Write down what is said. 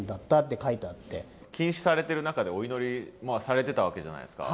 禁止されてる中でお祈りされてたわけじゃないですか。